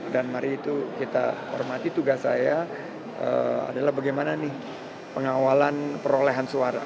dan mari itu kita hormati tugas saya adalah bagaimana nih pengawalan perolehan suara